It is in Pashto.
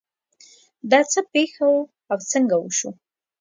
دا څه پېښه وه او څنګه وشوه